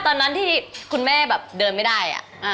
ตอนนั้นที่คุณแม่แบบเดินไม่ได้